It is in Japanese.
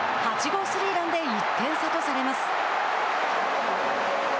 ８号スリーランで１点差とされます。